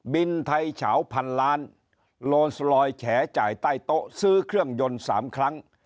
บินไทยเฉาพันล้านโลนสลอยแฉจ่ายใต้โต๊ะซื้อเครื่องยนต์๓ครั้ง